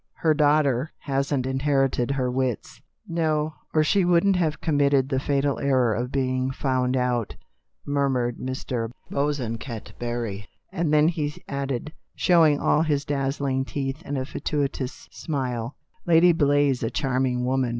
Her daughter hasn't inherited her wits." " No, or she wouldn't have committed the fatal error of being found out," murmured Mr. Bosanquet Barry, and then he added, showing all his dazzling teeth in a fatuous smile: "Lady Blay's a charming woman, mind A COMEDY IN REAL LIFE.